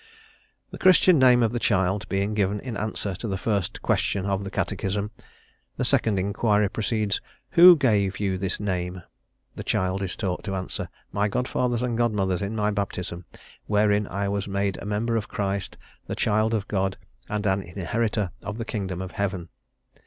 The Christian name of the child being given in answer to the first question of the Catechism, the second inquiry proceeds: "Who gave you this name?" The child is taught to answer "My godfathers and godmothers in my baptism; wherein I was made a member of Christ, the child of God, and an inheritor of the kingdom of heaven."